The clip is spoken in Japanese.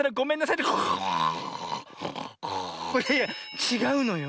いやいやちがうのよ。